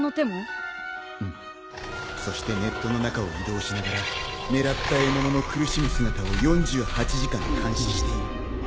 そしてネットの中を移動しながら狙った獲物の苦しむ姿を４８時間監視している。